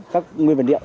các nguyên vật liệu